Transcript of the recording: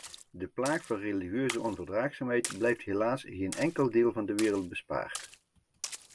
De plaag van religieuze onverdraagzaamheid blijft helaas geen enkel deel van de wereld bespaard.